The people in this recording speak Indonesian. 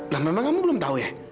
lah memang kamu belum tahu ya